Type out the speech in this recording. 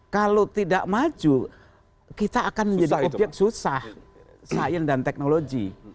kalau tidak maju kita akan menjadi obyek susah sains dan teknologi